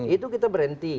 itu kita berhenti